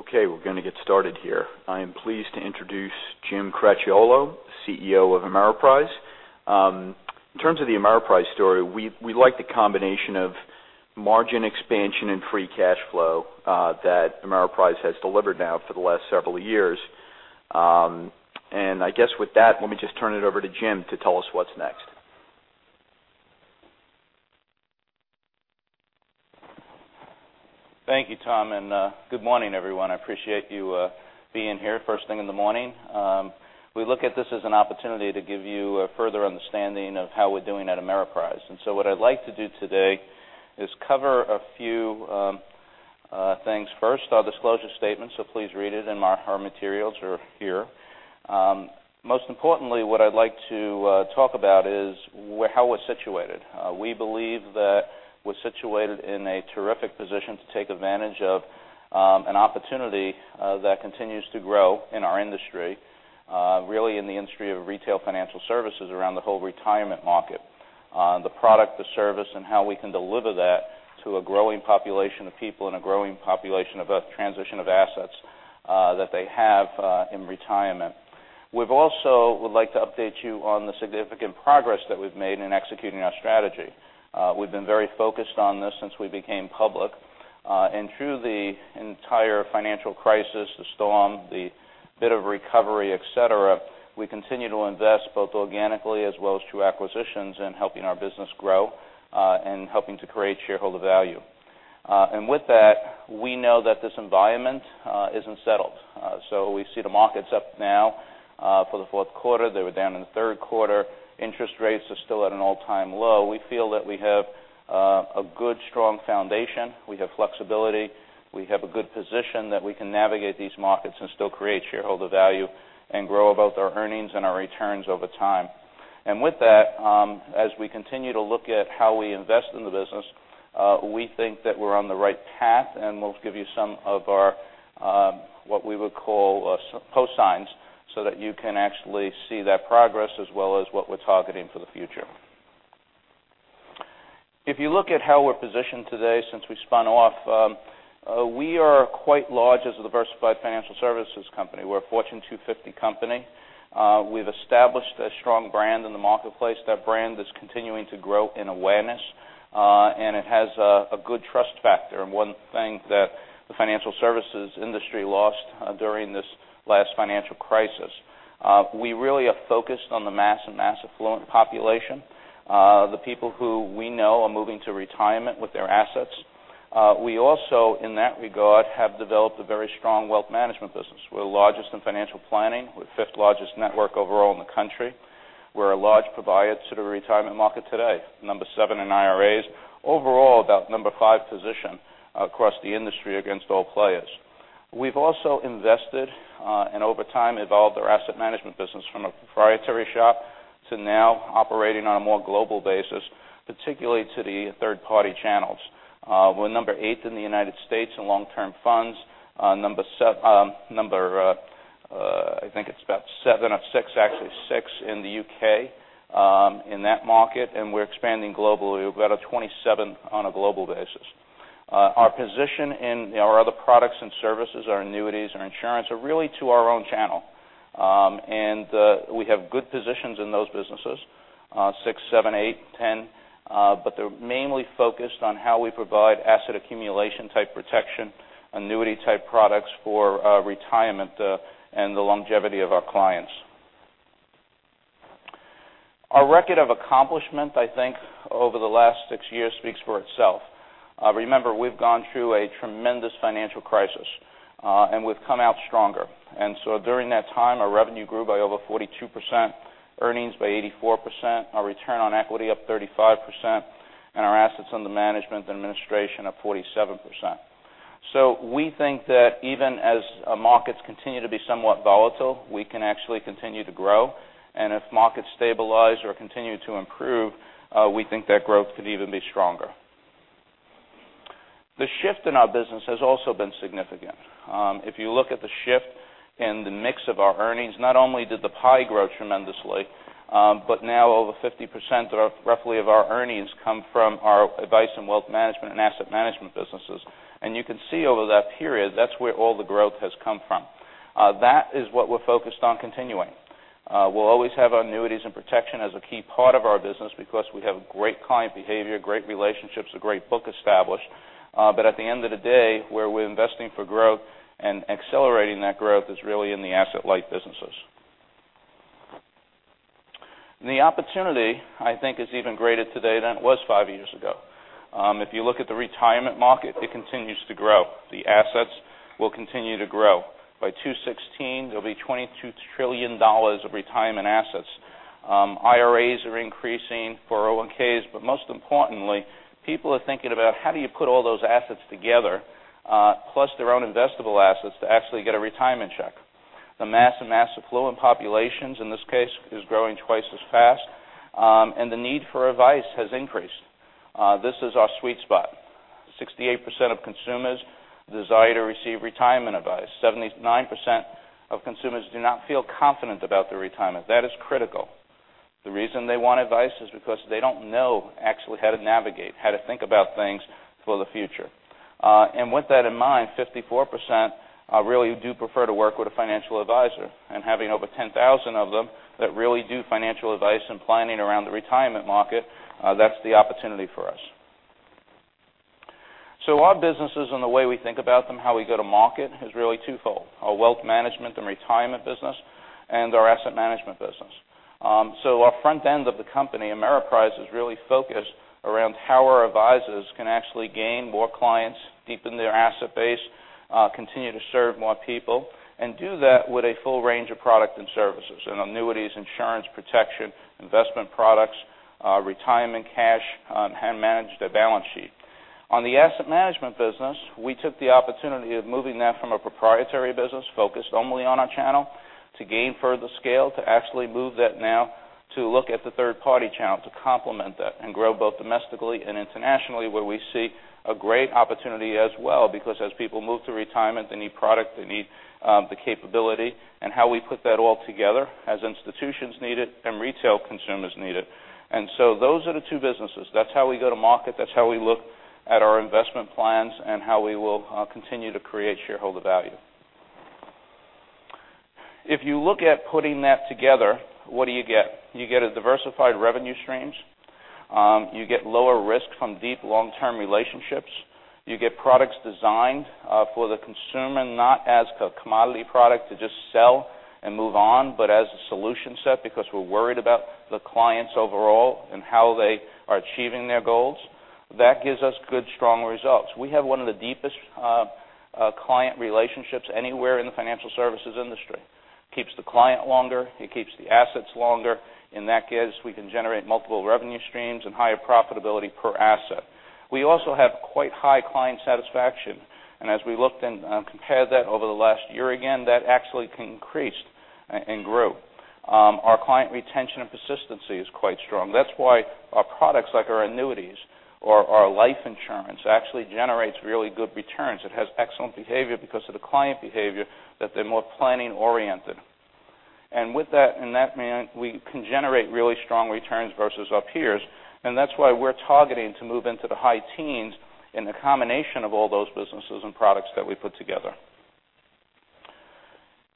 Okay, we're going to get started here. I am pleased to introduce Jim Cracchiolo, CEO of Ameriprise. In terms of the Ameriprise story, we like the combination of margin expansion and free cash flow that Ameriprise has delivered now for the last several years. I guess with that, let me just turn it over to Jim to tell us what's next. Thank you, Tom, good morning, everyone. I appreciate you being here first thing in the morning. We look at this as an opportunity to give you a further understanding of how we're doing at Ameriprise. What I'd like to do today is cover a few things. First, our disclosure statement, so please read it, and our materials are here. Most importantly, what I'd like to talk about is how we're situated. We believe that we're situated in a terrific position to take advantage of an opportunity that continues to grow in our industry, really in the industry of retail financial services around the whole retirement market. The product, the service, and how we can deliver that to a growing population of people and a growing population of a transition of assets that they have in retirement. We also would like to update you on the significant progress that we've made in executing our strategy. We've been very focused on this since we became public. Through the entire financial crisis, the storm, the bit of recovery, et cetera, we continue to invest, both organically as well as through acquisitions, in helping our business grow, and helping to create shareholder value. With that, we know that this environment isn't settled. We see the market's up now for the fourth quarter. They were down in the third quarter. Interest rates are still at an all-time low. We feel that we have a good, strong foundation. We have flexibility. We have a good position that we can navigate these markets and still create shareholder value and grow both our earnings and our returns over time. With that, as we continue to look at how we invest in the business, we think that we're on the right path, and we'll give you some of our, what we would call, proof points so that you can actually see that progress as well as what we're targeting for the future. If you look at how we're positioned today since we spun off, we are quite large as a diversified financial services company. We're a Fortune 250 company. We've established a strong brand in the marketplace. That brand is continuing to grow in awareness. It has a good trust factor, and one thing that the financial services industry lost during this last financial crisis. We really are focused on the mass and mass affluent population, the people who we know are moving to retirement with their assets. We also, in that regard, have developed a very strong wealth management business. We're the largest in financial planning. We're the fifth largest network overall in the country. We're a large provider to the retirement market today. Number 7 in IRAs. Overall, about number 5 position across the industry against all players. We've also invested, and over time evolved our asset management business from a proprietary shop to now operating on a more global basis, particularly to the third-party channels. We're number 8 in the U.S. in long-term funds. Number, I think it's about 7 or 6, actually 6 in the U.K. in that market, and we're expanding globally. We're about a 27 on a global basis. Our position in our other products and services, our annuities and insurance, are really to our own channel. We have good positions in those businesses, 6, 7, 8, 10, but they're mainly focused on how we provide asset accumulation type protection, annuity type products for retirement, and the longevity of our clients. Our record of accomplishment, I think, over the last six years speaks for itself. Remember, we've gone through a tremendous financial crisis, and we've come out stronger. During that time, our revenue grew by over 42%, earnings by 84%, our return on equity up 35%, and our assets under management and administration up 47%. We think that even as markets continue to be somewhat volatile, we can actually continue to grow. If markets stabilize or continue to improve, we think that growth could even be stronger. The shift in our business has also been significant. If you look at the shift in the mix of our earnings, not only did the pie grow tremendously, but now over 50% roughly of our earnings come from our advice and wealth management and asset management businesses. You can see over that period, that's where all the growth has come from. That is what we're focused on continuing. We'll always have our annuities and protection as a key part of our business because we have great client behavior, great relationships, a great book established. At the end of the day, where we're investing for growth and accelerating that growth is really in the asset-light businesses. The opportunity, I think, is even greater today than it was five years ago. If you look at the retirement market, it continues to grow. The assets will continue to grow. By 2016, there'll be $22 trillion of retirement assets. IRAs are increasing, 401(k)s, Most importantly, people are thinking about how do you put all those assets together, plus their own investable assets to actually get a retirement check. The mass and mass affluent populations in this case is growing twice as fast. The need for advice has increased. This is our sweet spot. 68% of consumers desire to receive retirement advice. 79% of consumers do not feel confident about their retirement. That is critical. The reason they want advice is because they don't know actually how to navigate, how to think about things for the future. With that in mind, 54% really do prefer to work with a financial advisor. Having over 10,000 of them that really do financial advice and planning around the retirement market, that's the opportunity for us. Our businesses and the way we think about them, how we go to market is really twofold. Our wealth management and retirement business and our asset management business. Our front end of the company, Ameriprise, is really focused around how our advisors can actually gain more clients, deepen their asset base, continue to serve more people. Do that with a full range of product and services in annuities, insurance protection, investment products, retirement cash, and manage their balance sheet. On the asset management business, we took the opportunity of moving that from a proprietary business focused only on our channel to gain further scale, to actually move that now to look at the third-party channel to complement that and grow both domestically and internationally, where we see a great opportunity as well. Because as people move to retirement, they need product, they need the capability, and how we put that all together as institutions need it and retail consumers need it. Those are the two businesses. That's how we go to market. That's how we look at our investment plans and how we will continue to create shareholder value. If you look at putting that together, what do you get? You get diversified revenue streams. You get lower risk from deep long-term relationships. You get products designed for the consumer, not as a commodity product to just sell and move on, but as a solution set because we're worried about the clients overall and how they are achieving their goals. That gives us good, strong results. We have one of the deepest client relationships anywhere in the financial services industry. Keeps the client longer, it keeps the assets longer, and we can generate multiple revenue streams and higher profitability per asset. We also have quite high client satisfaction. As we looked and compared that over the last year, again, that actually increased and grew. Our client retention and persistency is quite strong. That's why our products, like our annuities or our life insurance, actually generates really good returns. It has excellent behavior because of the client behavior, that they're more planning oriented. With that, in that manner, we can generate really strong returns versus our peers. That's why we're targeting to move into the high teens in the combination of all those businesses and products that we put together.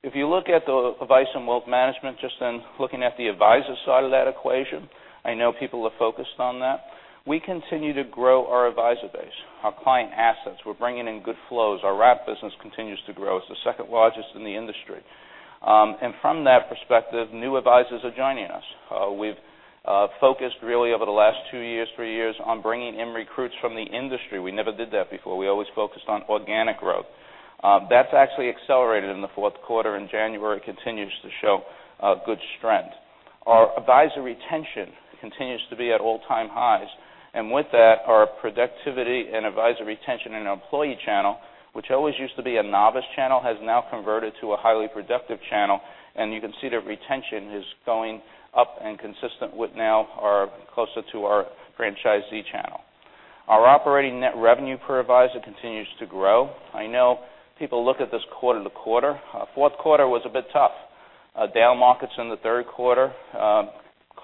If you look at the advice and wealth management, just in looking at the advisor side of that equation, I know people are focused on that. We continue to grow our advisor base, our client assets. We're bringing in good flows. Our wrap business continues to grow as the second largest in the industry. From that perspective, new advisors are joining us. We've focused really over the last three years on bringing in recruits from the industry. We never did that before. We always focused on organic growth. That's actually accelerated in the fourth quarter in January. It continues to show good strength. Our advisor retention continues to be at all-time highs. With that, our productivity and advisor retention in our employee channel, which always used to be a novice channel, has now converted to a highly productive channel. You can see the retention is going up and consistent with now our closer to our franchisee channel. Our operating net revenue per advisor continues to grow. I know people look at this quarter to quarter. Fourth quarter was a bit tough. Down markets in the third quarter.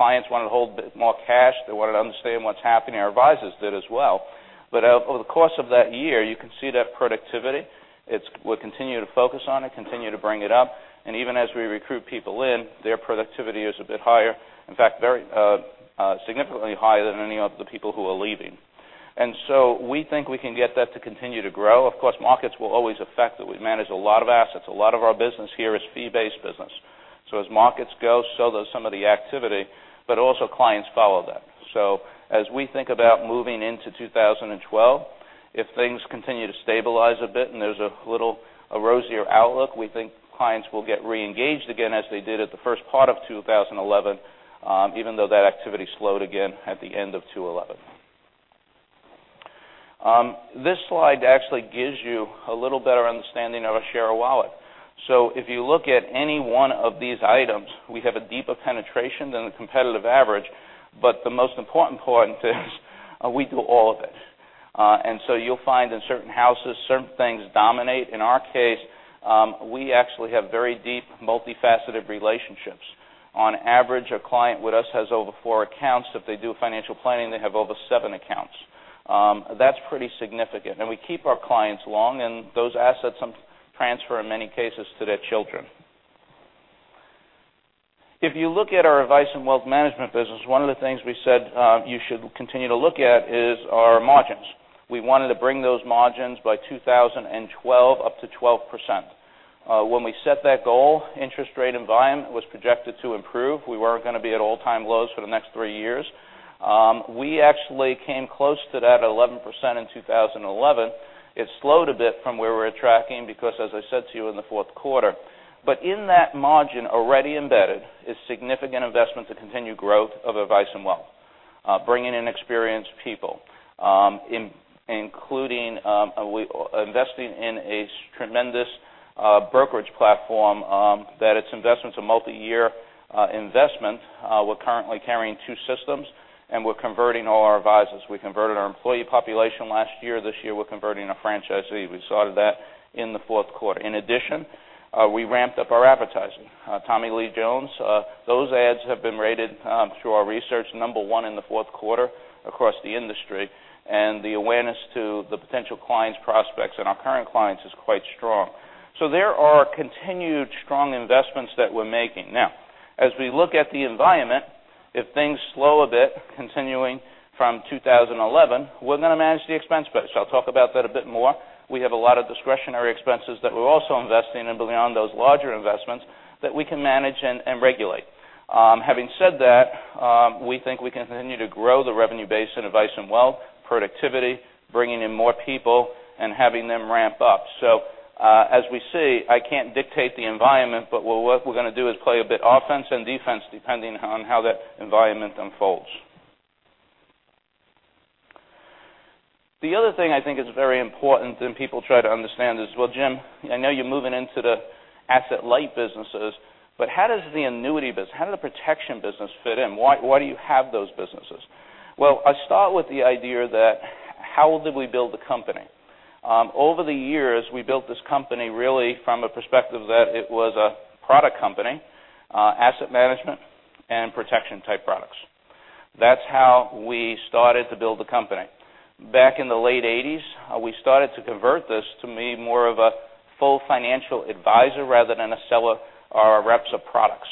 Clients wanted to hold a bit more cash. They wanted to understand what's happening. Our advisors did as well. Over the course of that year, you can see that productivity. We're continuing to focus on it, continue to bring it up, and even as we recruit people in, their productivity is a bit higher. In fact, very significantly higher than any of the people who are leaving. We think we can get that to continue to grow. Of course, markets will always affect it. We manage a lot of assets. A lot of our business here is fee-based business. As markets go, so does some of the activity, but also clients follow that. As we think about moving into 2012, if things continue to stabilize a bit and there's a rosier outlook, we think clients will get reengaged again, as they did at the first part of 2011, even though that activity slowed again at the end of 2011. This slide actually gives you a little better understanding of a share of wallet. If you look at any one of these items, we have a deeper penetration than the competitive average. The most important point is we do all of it. You'll find in certain houses, certain things dominate. In our case, we actually have very deep, multifaceted relationships. On average, a client with us has over four accounts. If they do financial planning, they have over seven accounts. That's pretty significant. We keep our clients long, and those assets transfer in many cases to their children. If you look at our advice and wealth management business, one of the things we said you should continue to look at is our margins. We wanted to bring those margins by 2012 up to 12%. When we set that goal, interest rate environment was projected to improve. We weren't going to be at all-time lows for the next three years. We actually came close to that at 11% in 2011. It slowed a bit from where we're tracking because, as I said to you in the fourth quarter. In that margin already embedded is significant investment to continue growth of advice and wealth. Bringing in experienced people, including investing in a tremendous brokerage platform that its investment is a multi-year investment. We're currently carrying two systems. We're converting all our advisors. We converted our employee population last year. This year, we're converting our franchisee. We started that in the fourth quarter. In addition, we ramped up our advertising. Tommy Lee Jones, those ads have been rated, through our research, number one in the fourth quarter across the industry. The awareness to the potential clients prospects and our current clients is quite strong. There are continued strong investments that we're making. Now, as we look at the environment, if things slow a bit, continuing from 2011, we're going to manage the expense base. I'll talk about that a bit more. We have a lot of discretionary expenses that we're also investing in beyond those larger investments that we can manage and regulate. Having said that, we think we can continue to grow the revenue base in advice and wealth, productivity, bringing in more people, and having them ramp up. As we see, I can't dictate the environment, what we're going to do is play a bit offense and defense, depending on how that environment unfolds. The other thing I think is very important, people try to understand this, "Well, Jim, I know you're moving into the asset-light businesses, but how does the annuity business, how does the protection business fit in? Why do you have those businesses?" I start with the idea that, how did we build the company? Over the years, we built this company really from a perspective that it was a product company, asset management, and protection type products. That's how we started to build the company. Back in the late 80s, we started to convert this to be more of a full financial advisor rather than a seller or reps of products.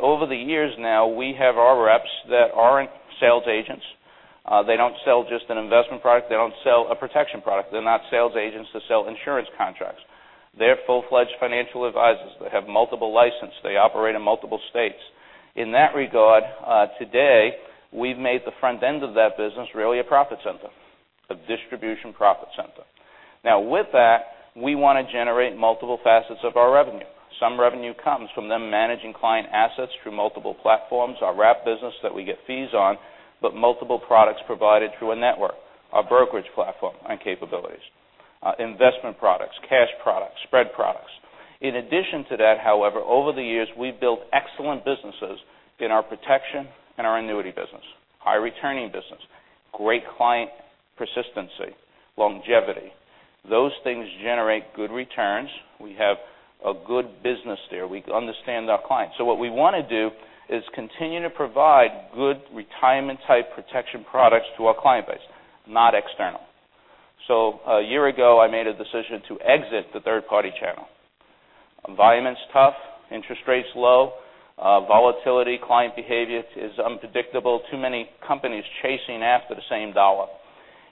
Over the years now, we have our reps that aren't sales agents. They don't sell just an investment product. They don't sell a protection product. They're not sales agents to sell insurance contracts. They're full-fledged financial advisors that have multiple license. They operate in multiple states. In that regard, today, we've made the front end of that business really a profit center, a distribution profit center. Now with that, we want to generate multiple facets of our revenue. Some revenue comes from them managing client assets through multiple platforms, our wrap business that we get fees on, but multiple products provided through a network, our brokerage platform and capabilities, investment products, cash products, spread products. In addition to that, however, over the years, we've built excellent businesses in our protection and our annuity business, high returning business, great client persistency, longevity. Those things generate good returns. We have a good business there. We understand our clients. What we want to do is continue to provide good retirement type protection products to our client base, not external. A year ago, I made a decision to exit the third party channel. Environment's tough, interest rate's low, volatility, client behavior is unpredictable. Too many companies chasing after the same $1.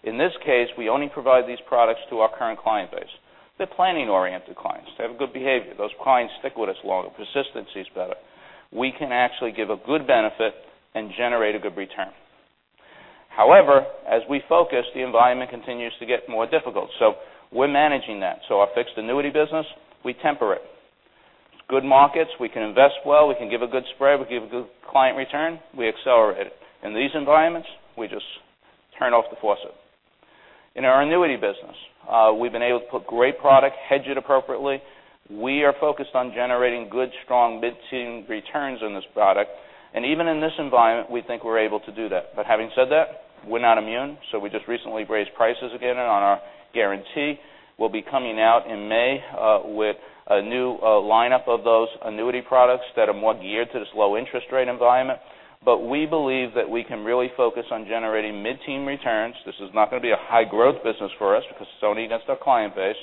In this case, we only provide these products to our current client base. They're planning-oriented clients. They have good behavior. Those clients stick with us longer. Persistency is better. We can actually give a good benefit and generate a good return. As we focus, the environment continues to get more difficult. We're managing that. Our fixed annuity business, we temper it. Good markets, we can invest well, we can give a good spread, we give a good client return, we accelerate it. In these environments, we just turn off the faucet. In our annuity business, we've been able to put great product, hedge it appropriately. We are focused on generating good, strong mid-teen returns on this product. Even in this environment, we think we're able to do that. Having said that, we're not immune. We just recently raised prices again on our guarantee. We'll be coming out in May with a new lineup of those annuity products that are more geared to this low interest rate environment. We believe that we can really focus on generating mid-teen returns. This is not going to be a high growth business for us because it's only against our client base,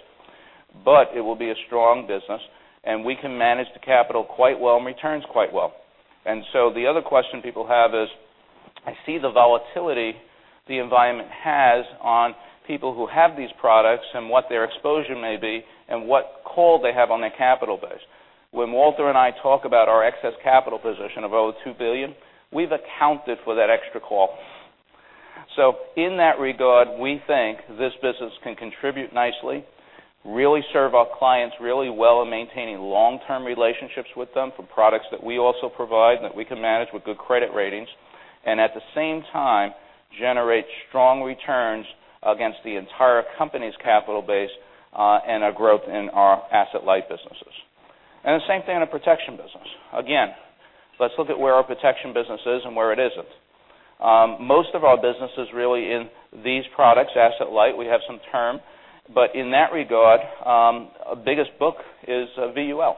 but it will be a strong business, and we can manage the capital quite well and returns quite well. The other question people have is, I see the volatility the environment has on people who have these products and what their exposure may be and what call they have on their capital base. When Walter and I talk about our excess capital position of over $2 billion, we've accounted for that extra call. In that regard, we think this business can contribute nicely, really serve our clients really well in maintaining long-term relationships with them for products that we also provide and that we can manage with good credit ratings. At the same time, generate strong returns against the entire company's capital base, a growth in our asset-light businesses. The same thing in a protection business. Again, let's look at where our protection business is and where it isn't. Most of our business is really in these products, asset light. We have some term. In that regard, biggest book is VUL.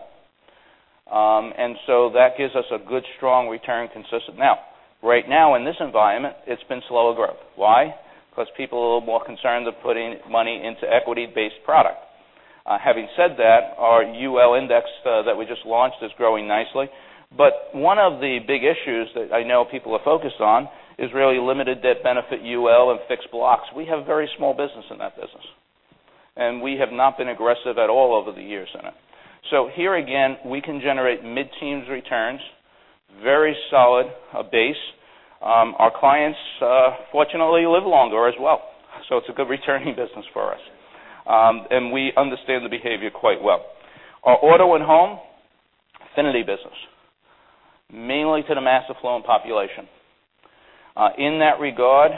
That gives us a good, strong return consistent. Now, right now in this environment, it's been slower growth. Why? Because people are a little more concerned of putting money into equity-based product. Having said that, our UL index that we just launched is growing nicely. But one of the big issues that I know people are focused on is really limited death benefit UL and fixed blocks. We have very small business in that business. We have not been aggressive at all over the years in it. Here again, we can generate mid-teens returns, very solid base. Our clients, fortunately, live longer as well. So it's a good returning business for us. We understand the behavior quite well. Our auto and home, affinity business, mainly to the mass affluent population. In that regard,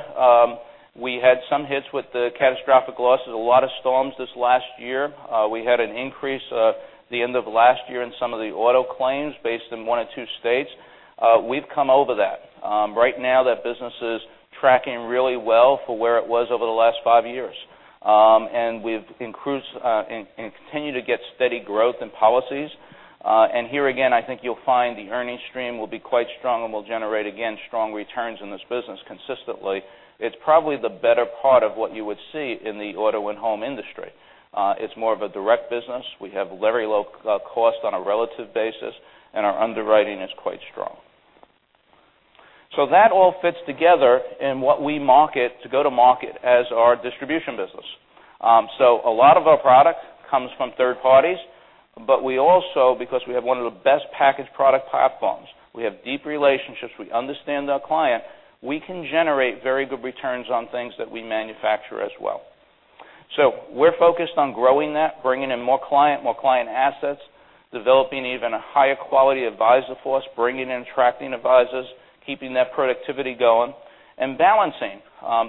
we had some hits with the catastrophic losses, a lot of storms this last year. We had an increase the end of last year in some of the auto claims based in one or two states. We've come over that. Right now, that business is tracking really well for where it was over the last five years. We've increased and continue to get steady growth in policies. Here again, I think you'll find the earning stream will be quite strong and will generate, again, strong returns in this business consistently. It's probably the better part of what you would see in the auto and home industry. It's more of a direct business. We have very low costs on a relative basis, and our underwriting is quite strong. That all fits together in what we market to go to market as our distribution business. A lot of our product comes from third parties, we also, because we have one of the best packaged product platforms, we have deep relationships, we understand our client, we can generate very good returns on things that we manufacture as well. We're focused on growing that, bringing in more client, more client assets, developing even a higher quality advisor force, bringing in tracking advisors, keeping that productivity going, and balancing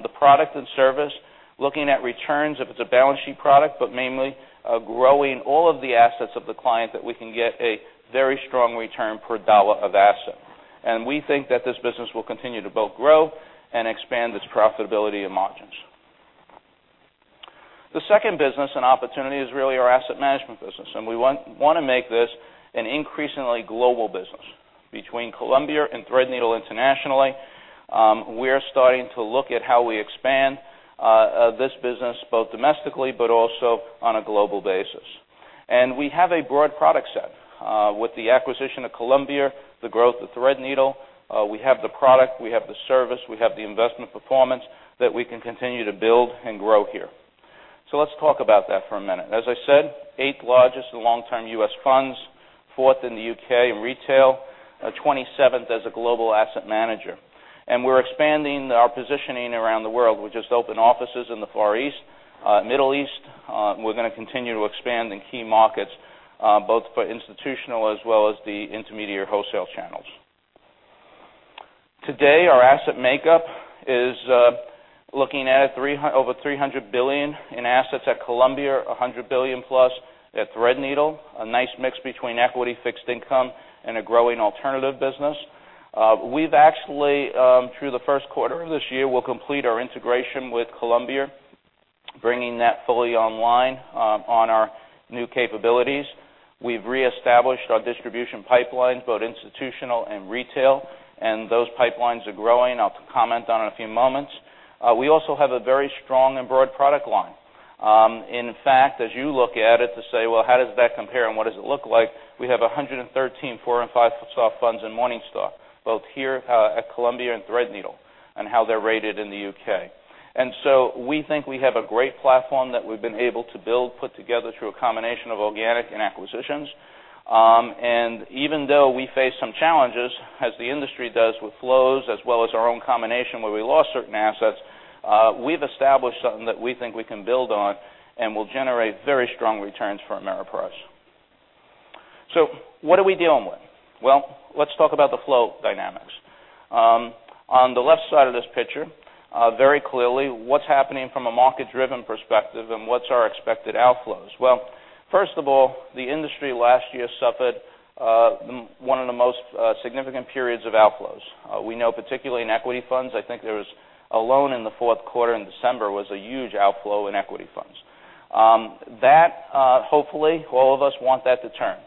the product and service, looking at returns if it's a balance sheet product, but mainly growing all of the assets of the client that we can get a very strong return per dollar of asset. We think that this business will continue to both grow and expand its profitability and margins. The second business and opportunity is really our asset management business, we want to make this an increasingly global business. Between Columbia and Threadneedle internationally, we are starting to look at how we expand this business, both domestically but also on a global basis. We have a broad product set. With the acquisition of Columbia, the growth of Threadneedle, we have the product, we have the service, we have the investment performance that we can continue to build and grow here. Let's talk about that for a minute. As I said, eighth largest long-term U.S. Funds, fourth in the U.K. in retail, 27th as a global asset manager. We are expanding our positioning around the world. We just opened offices in the Far East, Middle East. We are going to continue to expand in key markets, both for institutional as well as the intermediary wholesale channels. Today, our asset makeup is looking at over $300 billion in assets at Columbia, $100 billion-plus at Threadneedle, a nice mix between equity, fixed income, and a growing alternative business. We've actually, through the first quarter of this year, will complete our integration with Columbia, bringing that fully online on our new capabilities. We've reestablished our distribution pipelines, both institutional and retail, and those pipelines are growing. I'll comment on in a few moments. We also have a very strong and broad product line. In fact, as you look at it to say, "Well, how does that compare and what does it look like?" We have 113 four and five-star funds in Morningstar, both here at Columbia and Threadneedle, and how they're rated in the U.K. We think we have a great platform that we've been able to build, put together through a combination of organic and acquisitions. Even though we face some challenges, as the industry does with flows, as well as our own combination where we lost certain assets, we've established something that we think we can build on and will generate very strong returns for Ameriprise. What are we dealing with? Well, let's talk about the flow dynamics. On the left side of this picture, very clearly, what's happening from a market-driven perspective and what's our expected outflows? Well, first of all, the industry last year suffered one of the most significant periods of outflows. We know, particularly in equity funds, I think there was alone in the fourth quarter in December was a huge outflow in equity funds. That, hopefully, all of us want that to turn.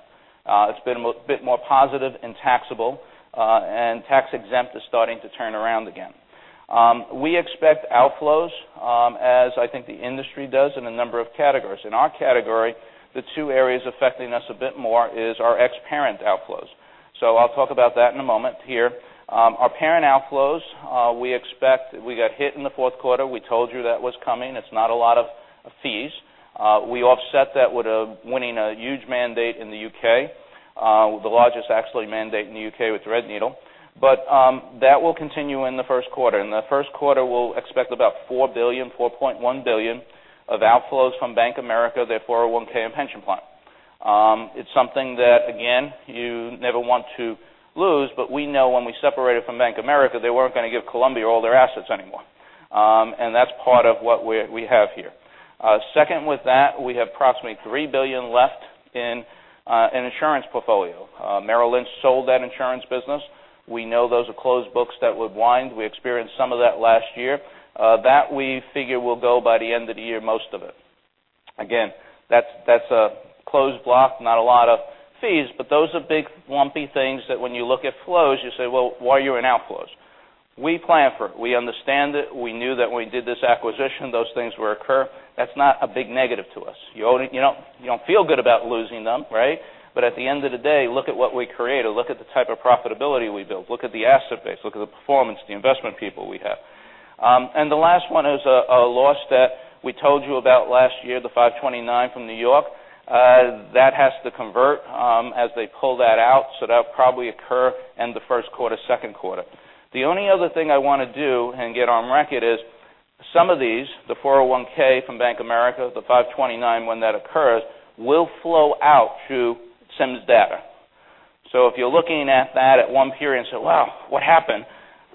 It's been a bit more positive in taxable, and tax-exempt is starting to turn around again. We expect outflows, as I think the industry does in a number of categories. In our category, the two areas affecting us a bit more is our ex parent outflows. I'll talk about that in a moment here. Our parent outflows, we expect we got hit in the fourth quarter. We told you that was coming. It's not a lot of fees. We offset that with winning a huge mandate in the U.K., the largest actually mandate in the U.K. with Threadneedle. That will continue in the first quarter. In the first quarter, we'll expect about $4 billion, $4.1 billion of outflows from Bank of America, their 401 and pension plan. It's something that, again, you never want to lose, but we know when we separated from Bank of America, they weren't going to give Columbia all their assets anymore. That's part of what we have here. Second with that, we have approximately $3 billion left in insurance portfolio. Merrill Lynch sold that insurance business. We know those are closed books that would wind. We experienced some of that last year. That we figure will go by the end of the year, most of it. Again, that's a closed block, not a lot of fees, but those are big lumpy things that when you look at flows, you say, "Why are you in outflows?" We plan for it. We understand it. We knew that when we did this acquisition, those things would occur. That's not a big negative to us. You don't feel good about losing them, right? At the end of the day, look at what we created. Look at the type of profitability we built. Look at the asset base. Look at the performance, the investment people we have. The last one is a loss that we told you about last year, the 529 from N.Y. That has to convert as they pull that out, so that'll probably occur in the first quarter, second quarter. The only other thing I want to do and get on record is some of these, the 401(k) from Bank of America, the 529, when that occurs, will flow out through Simfund Data. If you're looking at that at one period and say, "What happened?"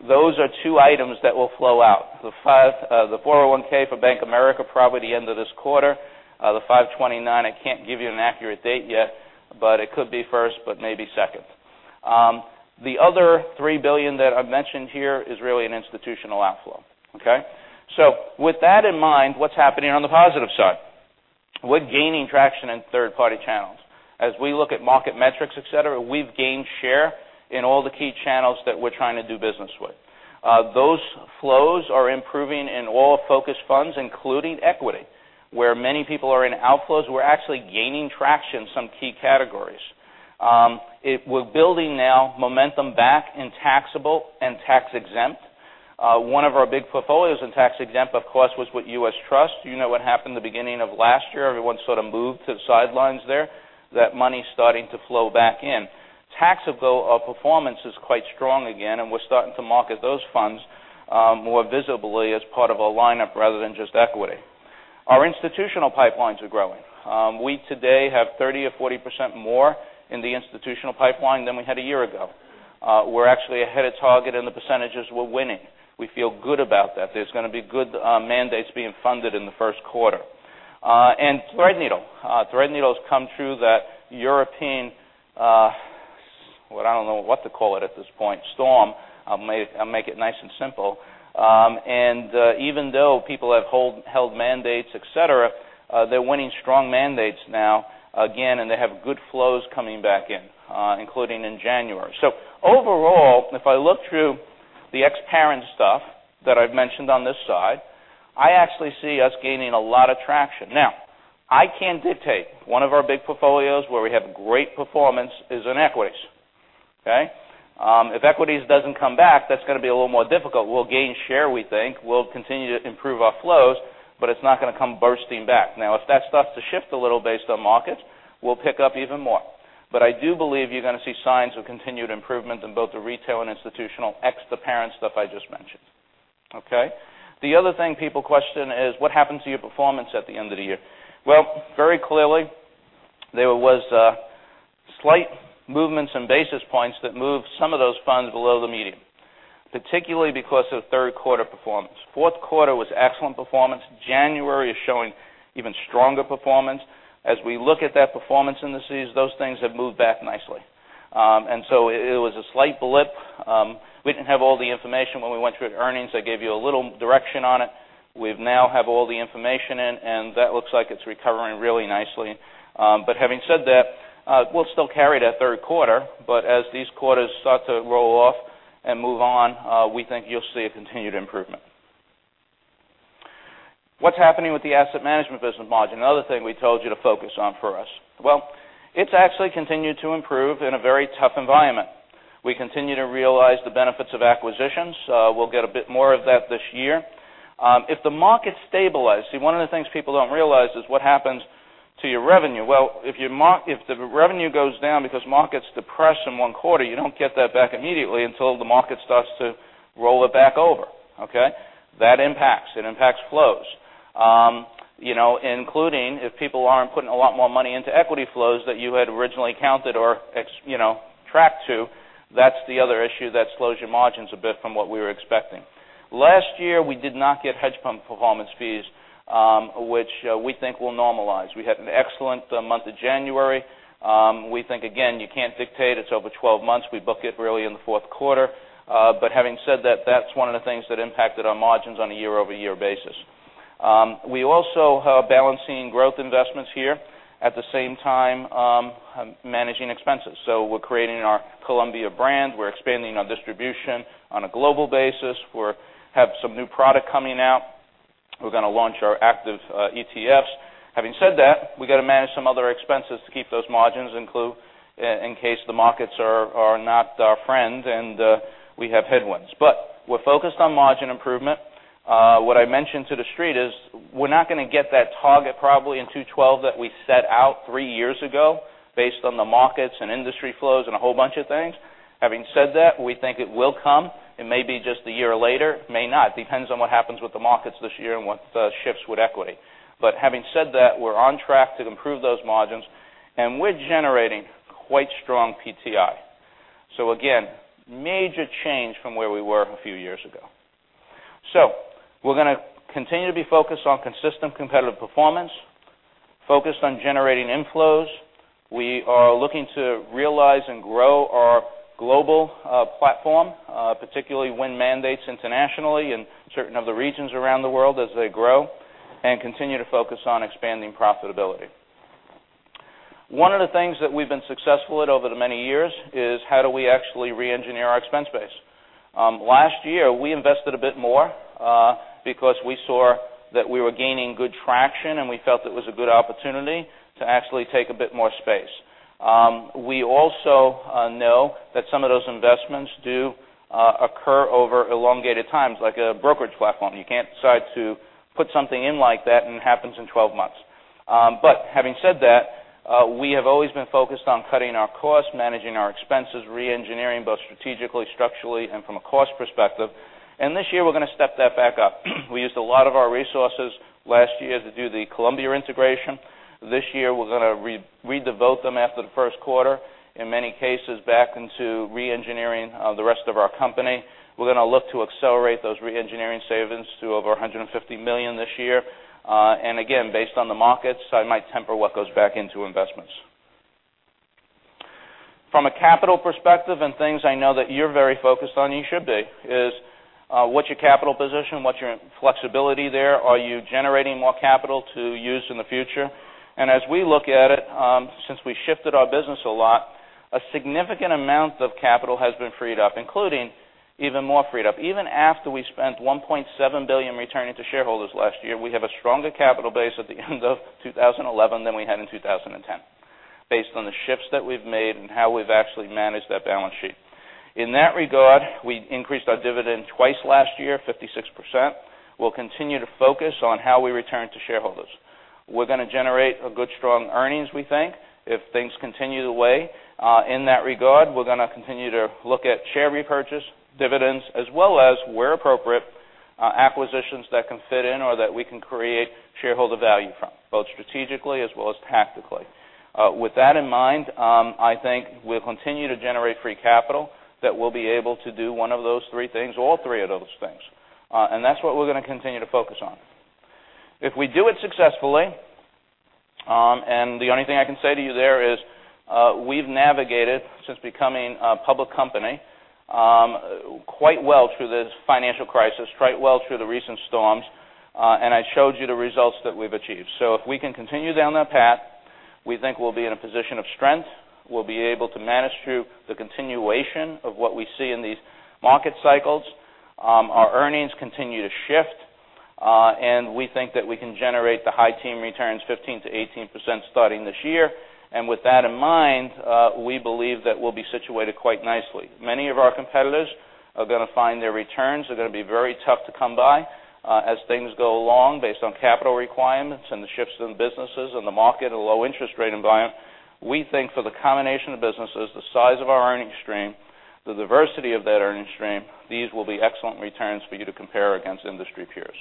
Those are two items that will flow out. The 401(k) for Bank of America, probably end of this quarter. The 529, I can't give you an accurate date yet, but it could be first, but maybe second. The other $3 billion that I've mentioned here is really an institutional outflow. Okay. With that in mind, what's happening on the positive side? We're gaining traction in third-party channels. As we look at MarketMetrics, et cetera, we've gained share in all the key channels that we're trying to do business with. Those flows are improving in all focus funds, including equity. Where many people are in outflows, we're actually gaining traction in some key categories. We're building now momentum back in taxable and tax-exempt. One of our big portfolios in tax-exempt, of course, was with U.S. Trust. You know what happened the beginning of last year. Everyone sort of moved to the sidelines there. That money's starting to flow back in. Taxable performance is quite strong again, and we're starting to market those funds more visibly as part of a lineup rather than just equity. Our institutional pipelines are growing. We today have 30% or 40% more in the institutional pipeline than we had a year ago. We're actually ahead of target in the percentages we're winning. We feel good about that. There's going to be good mandates being funded in the first quarter. Threadneedle. Threadneedle's come through that European, I don't know what to call it at this point, storm. I'll make it nice and simple. Even though people have held mandates, et cetera, they're winning strong mandates now again, and they have good flows coming back in, including in January. Overall, if I look through the ex-parent stuff that I've mentioned on this side, I actually see us gaining a lot of traction. Now, I can't dictate. One of our big portfolios where we have great performance is in equities. Okay. If equities doesn't come back, that's going to be a little more difficult. We'll gain share, we think. We'll continue to improve our flows, but it's not going to come bursting back. If that starts to shift a little based on markets, we'll pick up even more. I do believe you're going to see signs of continued improvement in both the retail and institutional ex parent stuff I just mentioned. Okay. The other thing people question is what happened to your performance at the end of the year? Very clearly, there was slight movements in basis points that moved some of those funds below the median, particularly because of third quarter performance. Fourth quarter was excellent performance. January is showing even stronger performance. As we look at that performance indices, those things have moved back nicely. It was a slight blip. We didn't have all the information when we went through at earnings. I gave you a little direction on it. We now have all the information in, that looks like it's recovering really nicely. Having said that, we'll still carry that third quarter, as these quarters start to roll off and move on, we think you'll see a continued improvement. What's happening with the asset management business margin? Another thing we told you to focus on for us. It's actually continued to improve in a very tough environment. We continue to realize the benefits of acquisitions. We'll get a bit more of that this year. If the market stabilize, one of the things people don't realize is what happens to your revenue. If the revenue goes down because markets depress in one quarter, you don't get that back immediately until the market starts to roll it back over. Okay. That impacts. It impacts flows. Including if people aren't putting a lot more money into equity flows that you had originally counted or tracked to, that's the other issue that slows your margins a bit from what we were expecting. Last year, we did not get hedge fund performance fees, which we think will normalize. We had an excellent month of January. We think, again, you can't dictate. It's over 12 months. We book it really in the fourth quarter. Having said that's one of the things that impacted our margins on a year-over-year basis. We also are balancing growth investments here, at the same time, managing expenses. We're creating our Columbia brand. We're expanding our distribution on a global basis. We have some new product coming out. We're going to launch our active ETFs. Having said that, we got to manage some other expenses to keep those margins in case the markets are not our friend, and we have headwinds. We're focused on margin improvement. What I mentioned to the Street is we're not going to get that target probably in 2012 that we set out three years ago based on the markets and industry flows and a whole bunch of things. Having said that, we think it will come. It may be just a year later, may not. Depends on what happens with the markets this year and what shifts with equity. Having said that, we're on track to improve those margins, we're generating quite strong PTI. Again, major change from where we were a few years ago. We're going to continue to be focused on consistent competitive performance, focused on generating inflows. We are looking to realize and grow our global platform, particularly win mandates internationally in certain of the regions around the world as they grow, and continue to focus on expanding profitability. One of the things that we've been successful at over the many years is how do we actually reengineer our expense base? Last year, we invested a bit more because we saw that we were gaining good traction, and we felt it was a good opportunity to actually take a bit more space. We also know that some of those investments do occur over elongated times, like a brokerage platform. You can't decide to put something in like that, and it happens in 12 months. Having said that, we have always been focused on cutting our costs, managing our expenses, reengineering both strategically, structurally, and from a cost perspective. This year we're going to step that back up. We used a lot of our resources last year to do the Columbia integration. This year we're going to redevote them after the first quarter, in many cases back into re-engineering the rest of our company. We're going to look to accelerate those re-engineering savings to over $150 million this year. Again, based on the markets, I might temper what goes back into investments. From a capital perspective and things I know that you're very focused on, you should be, is what's your capital position? What's your flexibility there? Are you generating more capital to use in the future? As we look at it, since we shifted our business a lot, a significant amount of capital has been freed up, including even more freed up. Even after we spent $1.7 billion returning to shareholders last year, we have a stronger capital base at the end of 2011 than we had in 2010 based on the shifts that we've made and how we've actually managed that balance sheet. In that regard, we increased our dividend twice last year, 56%. We'll continue to focus on how we return to shareholders. We're going to generate a good, strong earnings, we think. If things continue the way in that regard, we're going to continue to look at share repurchase, dividends, as well as, where appropriate, acquisitions that can fit in or that we can create shareholder value from, both strategically as well as tactically. With that in mind, I think we'll continue to generate free capital that will be able to do one of those three things, all three of those things. That's what we're going to continue to focus on. If we do it successfully, the only thing I can say to you there is, we've navigated, since becoming a public company, quite well through this financial crisis, quite well through the recent storms. I showed you the results that we've achieved. If we can continue down that path, we think we'll be in a position of strength. We'll be able to manage through the continuation of what we see in these market cycles. Our earnings continue to shift. We think that we can generate the high teen returns 15%-18% starting this year. With that in mind, we believe that we'll be situated quite nicely. Many of our competitors are going to find their returns are going to be very tough to come by as things go along based on capital requirements and the shifts in businesses and the market, a low interest rate environment. We think for the combination of businesses, the size of our earnings stream, the diversity of that earnings stream, these will be excellent returns for you to compare against industry peers.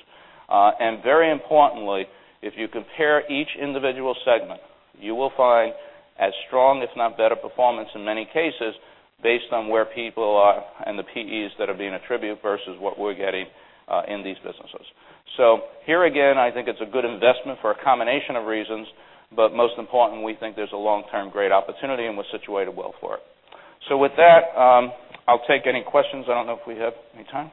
Very importantly, if you compare each individual segment, you will find as strong, if not better performance in many cases based on where people are and the PEs that are being attributed versus what we're getting in these businesses. Here again, I think it's a good investment for a combination of reasons, but most important, we think there's a long-term great opportunity, and we're situated well for it. With that, I'll take any questions. I don't know if we have any time.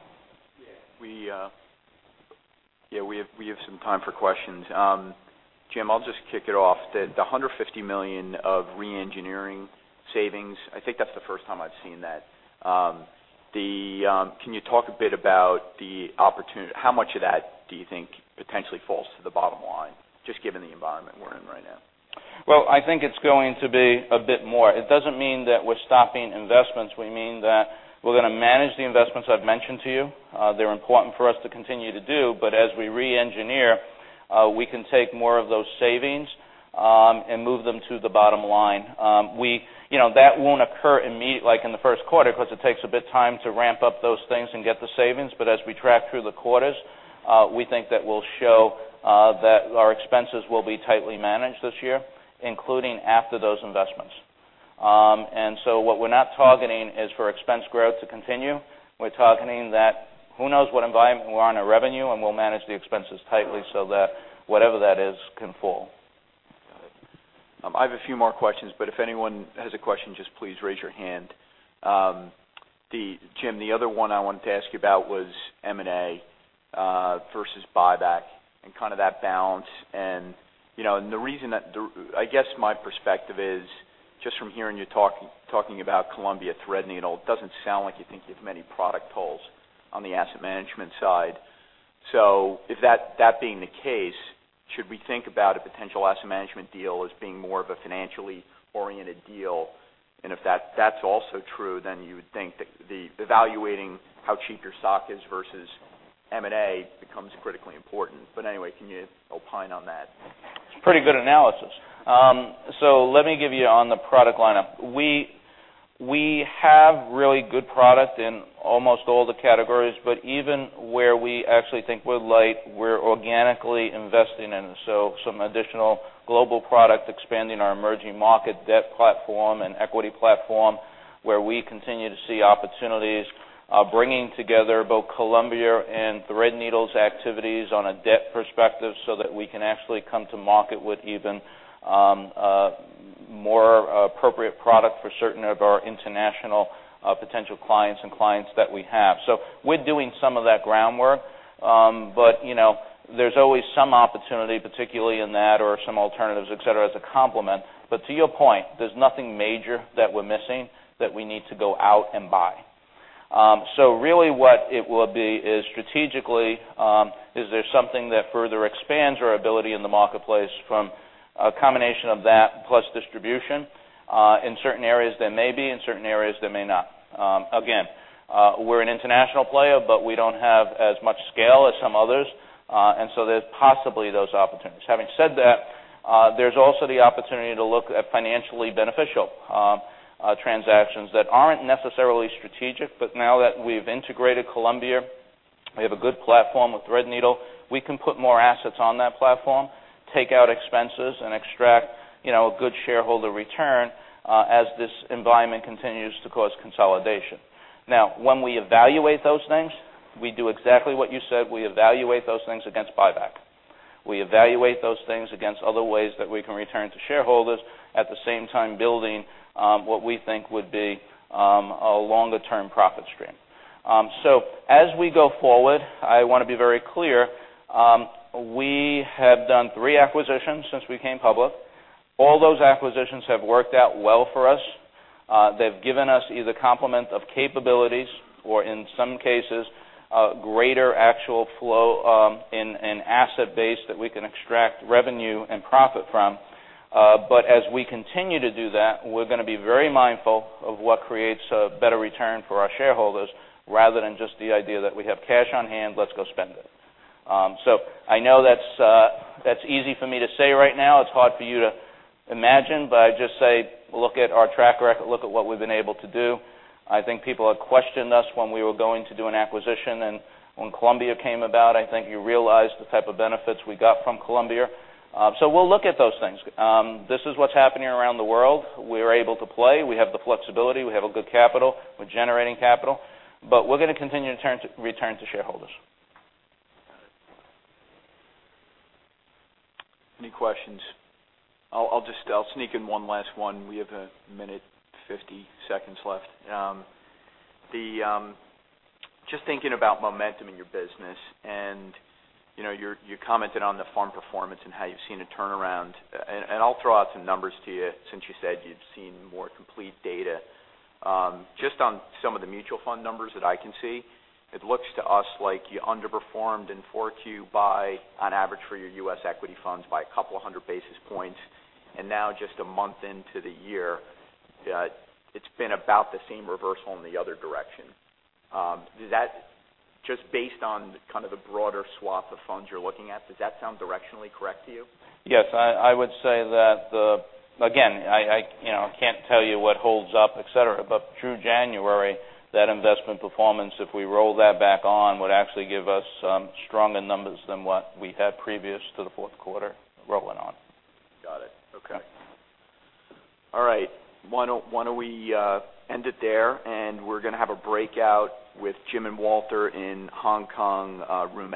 Yeah, we have some time for questions. Jim, I'll just kick it off. The $150 million of re-engineering savings, I think that's the first time I've seen that. Can you talk a bit about the opportunity? How much of that do you think potentially falls to the bottom line, just given the environment we're in right now? Well, I think it's going to be a bit more. It doesn't mean that we're stopping investments. We mean that we're going to manage the investments I've mentioned to you. They're important for us to continue to do, but as we re-engineer, we can take more of those savings and move them to the bottom line. That won't occur like in the first quarter because it takes a bit time to ramp up those things and get the savings. As we track through the quarters, we think that we'll show that our expenses will be tightly managed this year, including after those investments. What we're not targeting is for expense growth to continue. We're targeting that who knows what environment we are in our revenue, and we'll manage the expenses tightly so that whatever that is can fall. Got it. I have a few more questions, but if anyone has a question, just please raise your hand. Jim, the other one I wanted to ask you about was M&A versus buyback and kind of that balance. I guess my perspective is just from hearing you talking about Columbia Threadneedle, it doesn't sound like you think you have many product holes on the asset management side. If that being the case, should we think about a potential asset management deal as being more of a financially-oriented deal? If that's also true, you would think that evaluating how cheap your stock is versus M&A becomes critically important. Anyway, can you opine on that? It's a pretty good analysis. Let me give you on the product lineup. We have really good product in almost all the categories, but even where we actually think we're light, we're organically investing in. Some additional global product, expanding our emerging market debt platform and equity platform, where we continue to see opportunities bringing together both Columbia and Threadneedle's activities on a debt perspective so that we can actually come to market with even more appropriate product for certain of our international potential clients and clients that we have. We're doing some of that groundwork. There's always some opportunity, particularly in that or some alternatives, et cetera, as a complement. To your point, there's nothing major that we're missing that we need to go out and buy. Really what it will be is strategically, is there something that further expands our ability in the marketplace from a combination of that plus distribution? In certain areas, there may be. In certain areas, there may not. Again, we're an international player, but we don't have as much scale as some others. There's possibly those opportunities. Having said that, there's also the opportunity to look at financially beneficial transactions that aren't necessarily strategic. Now that we've integrated Columbia, we have a good platform with Threadneedle. We can put more assets on that platform, take out expenses, and extract a good shareholder return as this environment continues to cause consolidation. Now, when we evaluate those things, we do exactly what you said. We evaluate those things against buyback. We evaluate those things against other ways that we can return to shareholders, at the same time building what we think would be a longer-term profit stream. As we go forward, I want to be very clear. We have done three acquisitions since we came public. All those acquisitions have worked out well for us. They've given us either complement of capabilities or in some cases, greater actual flow in asset base that we can extract revenue and profit from. As we continue to do that, we're going to be very mindful of what creates a better return for our shareholders rather than just the idea that we have cash on hand, let's go spend it. I know that's easy for me to say right now. It's hard for you to imagine, but I just say, look at our track record. Look at what we've been able to do. I think people have questioned us when we were going to do an acquisition, and when Columbia came about, I think you realized the type of benefits we got from Columbia. We'll look at those things. This is what's happening around the world. We're able to play. We have the flexibility. We have a good capital. We're generating capital. We're going to continue to return to shareholders. Any questions? I'll sneak in one last one. We have one minute, 50 seconds left. Just thinking about momentum in your business, and you commented on the fund performance and how you've seen a turnaround. I'll throw out some numbers to you since you said you've seen more complete data. Just on some of the mutual fund numbers that I can see, it looks to us like you underperformed in 4Q by, on average for your U.S. equity funds, by a couple of hundred basis points. Now just a month into the year, it's been about the same reversal in the other direction. Just based on kind of the broader swath of funds you're looking at, does that sound directionally correct to you? Yes. I would say that, again, I can't tell you what holds up, et cetera. Through January, that investment performance, if we roll that back on, would actually give us stronger numbers than what we had previous to the fourth quarter rolling on. Got it. Okay. All right. Why don't we end it there. We're going to have a breakout with Jim and Walter in Hong Kong, room A.